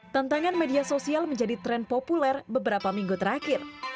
tantangan media sosial menjadi tren populer beberapa minggu terakhir